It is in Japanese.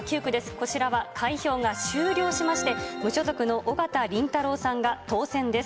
こちらは開票が終了しまして、無所属の緒方林太郎さんが当選です。